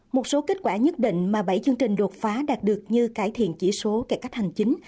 một số kết quả nhất định mà bảy chương trình đột phá đạt được như cải thiện chỉ số cải cách hành chính